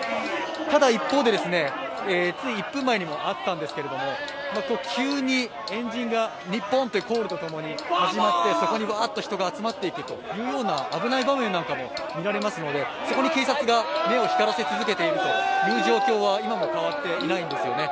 ただ一方で、つい１分前にもあったんですけれども、急に円陣が、「ニッポン」というコールとともに始まってそこにバーッと人が集まっていくような危ない場面もありますのでそこに警察が目を光らせ続けているという状況は今も変わっていないんですね。